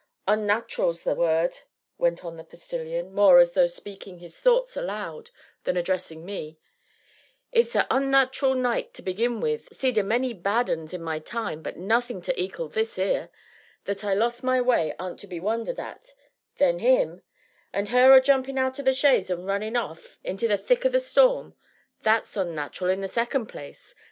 "Onnat'ral 's the word!" went on the Postilion, more as though speaking his thoughts aloud than addressing me, "it's a onnat'ral night to begin with seed a many bad uns in my time, but nothing to ekal this 'ere, that I lost my way aren't to be wondered at; then him, and her a jumping out o' the chaise and a running off into the thick o' the storm that's onnat'ral in the second place!